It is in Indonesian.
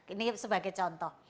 ini sebagai contoh